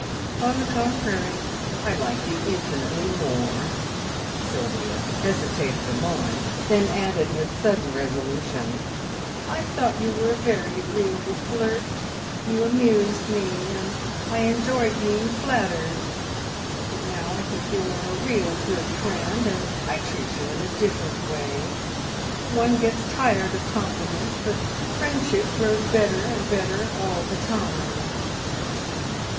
"On the contrary, I like you infinitely more." Sylvia hesitated a moment, then added with sudden resolution, "I thought you were a very agreeable flirt; you amused me, and I enjoyed being flattered; but now I think you are a real good friend, and I treat you in a different way. One gets tired of compliments, but friendship grows better and better all the time."